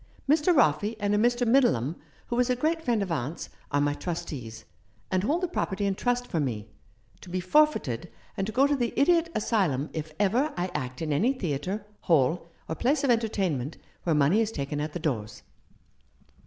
Mr. Roffey and a Mr. Middleham, who was a great friend of aunt's, are my trustees, and hold the property in trust for me, to be for feited and to go to the Idiot Asylum if ever I act in any theatre, hall, or place of entertainment where money is taken at the doors."